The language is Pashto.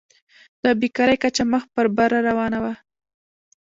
د بېکارۍ کچه مخ په بره روانه وه.